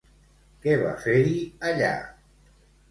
Què va fer-hi allà?